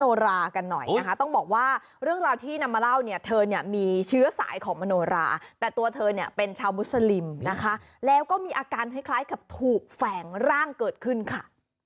โนรากันหน่อยนะคะต้องบอกว่าเรื่องราวที่นำมาเล่าเนี่ยเธอเนี่ยมีเชื้อสายของมโนราแต่ตัวเธอเนี่ยเป็นชาวมุสลิมนะคะแล้วก็มีอาการคล้ายกับถูกแฝงร่างเกิดขึ้นค่ะ